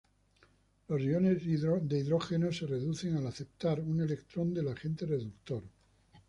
Los iones hidrógeno se reducen al aceptar un electrón del agente reductor.